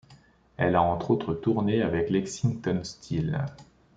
Elle a entre autres tourné avec Lexington Steele.